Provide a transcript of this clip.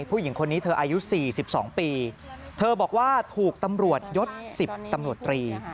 ผู้หญิงคนนี้เธออายุสี่สิบสองปีเธอบอกว่าถูกตำรวจยดสิบตำรวจตรี